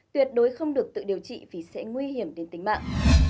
tuyệt đối không được tự điều trị vì sẽ nguy hiểm đến tính mạng